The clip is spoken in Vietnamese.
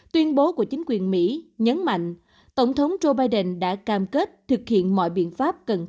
tuyên bố của chính quyền mỹ nhấn mạnh tổng thống joe biden đã cam kết thực hiện mọi biện pháp cần thiết